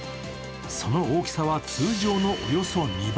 その大きさは通常のおよそ２倍。